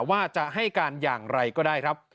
ว่าจะให้การอย่างไรก็ได้ครับ